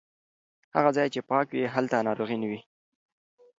هغه ځای چې پاک وي هلته ناروغي نه وي.